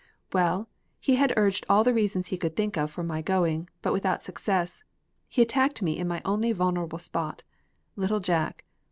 "When he had urged all the reasons he could think of for my going, but without success, he attacked me in my only vulnerable spot, little Jack.